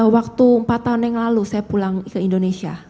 waktu empat tahun yang lalu saya pulang ke indonesia